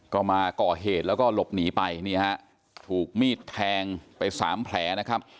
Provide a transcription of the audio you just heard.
ก็มาก่อเหตุแล้วก็หลบหนีไปนี่ฮะถูกมีดแทงไปสามแผลนะครับ